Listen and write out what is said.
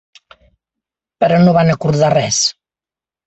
Però no van acordar res.